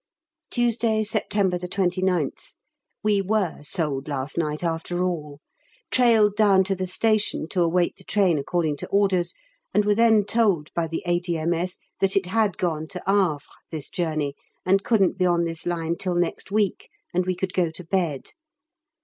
Tuesday, September 29th. We were sold last night after all. Trailed down to the station to await the train according to orders, and were then told by the A.D.M.S. that it had gone to Havre this journey, and couldn't be on this line till next week, and we could go to bed.